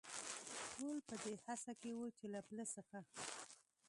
ټول په دې هڅه کې و، چې له پله څخه.